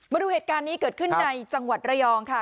มาดูเหตุการณ์นี้เกิดขึ้นในจังหวัดระยองค่ะ